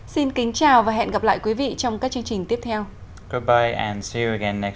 xin kính chào và hẹn gặp lại quý vị trong các chương trình tiếp theo